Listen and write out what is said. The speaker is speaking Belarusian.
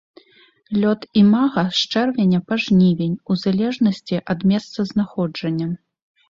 Лёт імага з чэрвеня па жнівень у залежнасці ад месцазнаходжання.